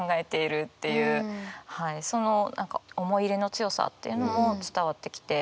はいその何か思い入れの強さっていうのも伝わってきて。